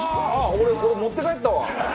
俺これ持って帰ったわ。